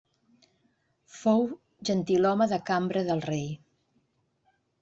Fou gentilhome de cambra del rei.